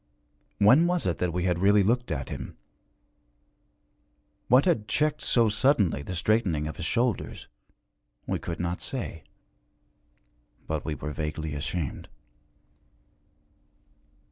When was it that we had really looked at him? What had checked so suddenly the straightening of his shoulders? We could not say. But we were vaguely ashamed.